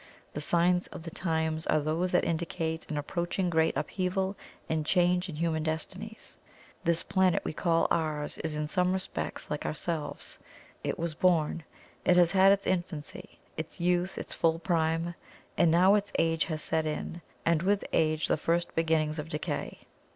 The signs of the times are those that indicate an approaching great upheaval and change in human destinies. This planet we call ours is in some respects like ourselves: it was born; it has had its infancy, its youth, its full prime; and now its age has set in, and with age the first beginnings of decay.